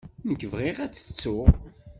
Nekk bɣiɣ ad tt-ttuɣ.